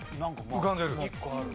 浮かんでる？